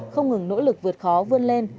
không ngừng nỗ lực vượt khó vươn lên